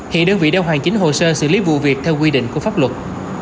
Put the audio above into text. hiện đơn vị đeo hoàn chính hồ sơ xử lý vụ việc theo quy định của pháp luật